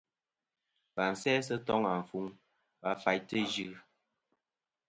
Và sæ sɨ toŋ afuŋ va faytɨ Ɨ yɨ.